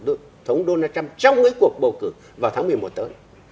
và cựu tổng thống donald trump trong cái cuộc bầu cử vào tháng một mươi một tới